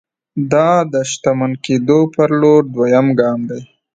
دا د شتمن کېدو پر لور دویم ګام دی